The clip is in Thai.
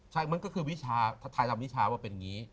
ใช่มันก็คือวิชาทัทายทำวิชาว่าเป็นอย่างนี้